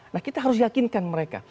nah kita harus yakinkan mereka